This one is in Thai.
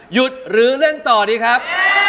หยุดหรือเล่นต่อดีครับ